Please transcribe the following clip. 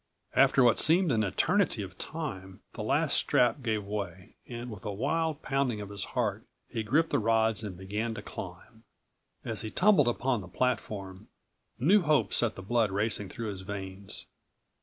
After what seemed an eternity of time the last strap gave way and, with a wild pounding of his heart, he gripped the rods and began to climb.209 As he tumbled upon the platform, new hope set the blood racing through his veins.